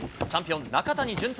チャンピオン、中谷潤